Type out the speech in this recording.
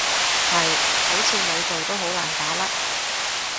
係，好似冇做都好難打甩